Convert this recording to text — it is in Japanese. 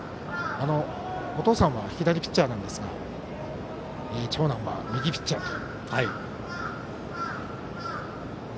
お父さんは左ピッチャーでしたが長男は右ピッチャーだと。